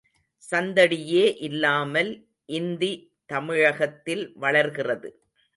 சந்தடியே இல்லாமல் இந்தி தமிழகத்தில் வளர்கிறது.